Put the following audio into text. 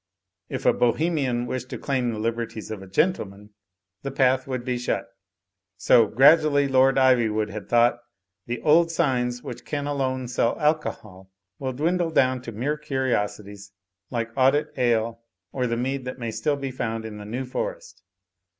If a Bohemian wished to claim the liberties of a gentleman, the path would be shut. So, gradually. Lord Ivywood had thought, the old signs which can alone sell alcohol, will dwindle down to mere curiosities, like Audit Ale or the Mead that may still be found in the New Forest.